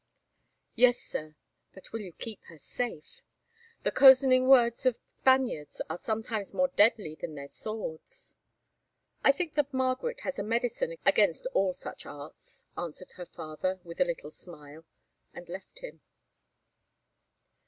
"Yes, Sir; but will you keep her safe? The cozening words of Spaniards are sometimes more deadly than their swords." "I think that Margaret has a medicine against all such arts," answered her father with a little smile, and left him.